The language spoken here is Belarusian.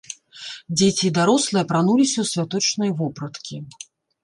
Дзеці і дарослыя апрануліся ў святочныя вопраткі.